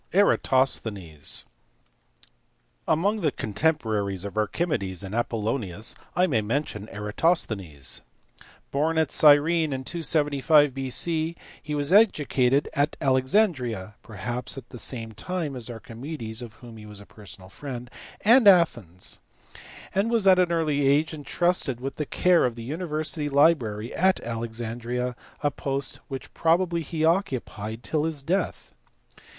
Eratosthenes*. Among the contemporaries of Archimedes and Apollonius I may mention Eratosthenes. Born at Gyrene in 275 B.C., he was educated at Alexandria perhaps at the same time as Archimedes of whom he was a personal friend and Athens, and was at an early age entrusted with the care of the university library at Alexandria, a post which probably he occupied till his death.